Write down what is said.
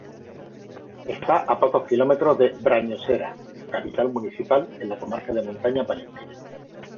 Está a pocos kilómetros de Brañosera, capital municipal, en la comarca de Montaña Palentina.